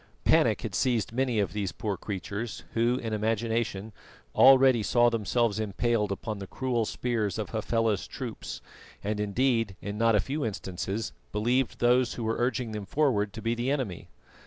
Panic had seized many of these poor creatures, who, in imagination, already saw themselves impaled upon the cruel spears of Hafela's troops, and indeed in not a few instances believed those who were urging them forward to be the enemy.